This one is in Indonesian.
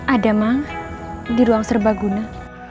ada mang di ruang serbaguna